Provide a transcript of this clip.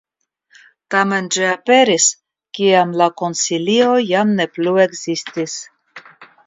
Tamen ĝi aperis kiam la Konsilio jam ne plu ekzistis.